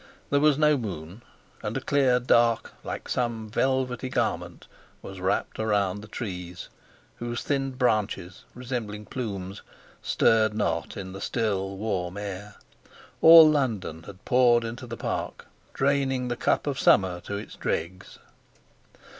There was no moon, and a clear dark, like some velvety garment, was wrapped around the trees, whose thinned branches, resembling plumes, stirred not in the still, warm air. All London had poured into the Park, draining the cup of summer to its dregs.